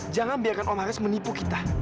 jangan biarkan om haris menipu kita